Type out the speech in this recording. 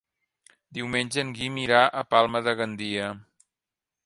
Diumenge en Guim irà a Palma de Gandia.